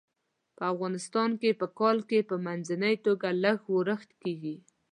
په افغانستان کې په کال کې په منځنۍ توګه لږ ورښت کیږي.